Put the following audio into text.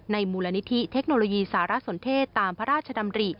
มูลนิธิเทคโนโลยีสารสนเทศตามพระราชดำริ